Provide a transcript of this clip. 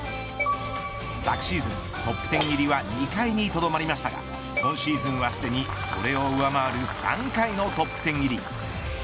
昨シーズン、トップ１０入りは２回にとどまりましたが今シーズンはすでにそれを上回る３回のトップ１０入り。